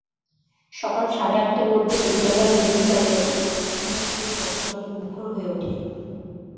সকাল সাড়ে আটটার মধ্যে বিদ্যালয়ের মূল প্যান্ডেল শিক্ষার্থীদের পদচারণে মুখর হয়ে ওঠে।